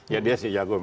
ya dia sih jago